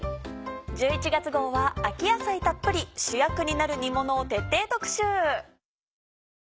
１１月号は秋野菜たっぷり主役になる煮ものを徹底特集。